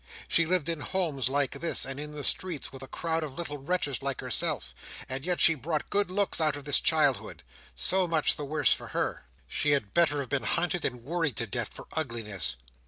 She lived in homes like this, and in the streets, with a crowd of little wretches like herself; and yet she brought good looks out of this childhood. So much the worse for her. She had better have been hunted and worried to death for ugliness."